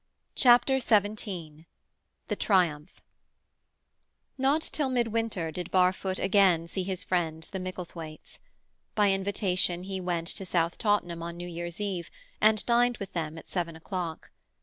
CHAPTER XVII THE TRIUMPH Nor till mid winter did Barfoot again see his friends the Micklethwaites. By invitation he went to South Tottenham on New Year's Eve, and dined with them at seven o'clock.